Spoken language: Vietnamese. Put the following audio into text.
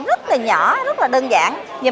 rất là nhỏ rất là đơn giản